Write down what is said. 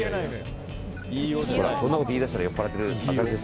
こんなこと言い出したら酔っぱらってる。